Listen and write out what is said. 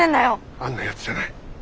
あんなやつじゃない。